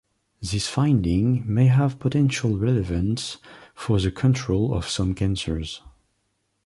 This finding may have potential relevance for the control of some cancers.